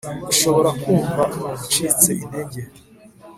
Ushobora kumva ucitse intege